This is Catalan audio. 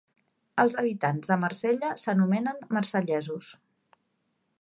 Els habitants de Marsella s'anomenen marsellesos.